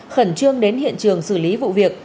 khẩn trương đến hiện trường xử lý vụ việc